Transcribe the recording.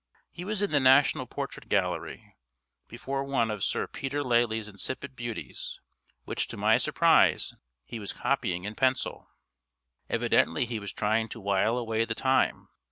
He was in the National Portrait Gallery, before one of Sir Peter Lely's insipid beauties, which to my surprise he was copying in pencil. Evidently he was trying to while away the time.